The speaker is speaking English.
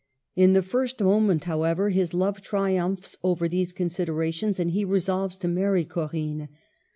In the first moment, how ever, his love triumphs over these considerations, and he resolves to marry Corinne.